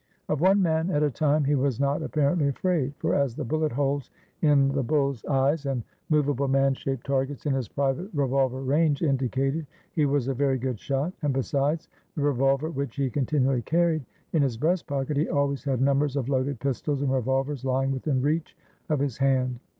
Of one man at a time he was not, apparently, afraid, for as the bullet holes in the bull's eyes and movable man shaped targets in his private revolver range indicated, he was a very good shot, and besides the revolver which he continually carried in his breast pocket, he always had numbers of loaded pistols and revolvers lying within reach of his hand.